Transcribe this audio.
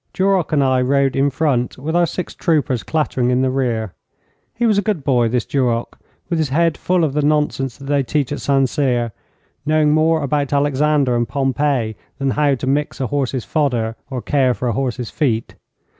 Duroc and I rode in front, with our six troopers clattering in the rear. He was a good boy, this Duroc, with his head full of the nonsense that they teach at St Cyr, knowing more about Alexander and Pompey than how to mix a horse's fodder or care for a horse's feet.